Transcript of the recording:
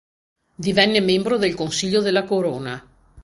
Divenne membro del Consiglio della Corona.